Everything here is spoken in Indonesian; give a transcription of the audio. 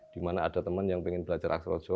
di mana ada teman yang ingin belajar aksara jawa